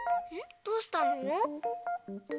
どうしたの？